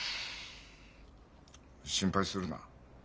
心配するな。